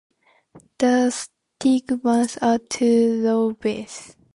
The stigmas are two-lobed.